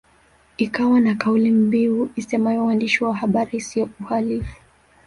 Ikiwa na kauli mbiu isemayo uandishi wa habari siyo uhalifu